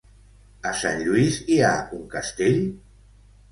A Sant Lluís hi ha un castell?